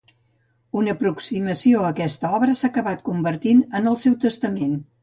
Una aproximació a aquesta obra s’ha acabat convertint en el seu testament.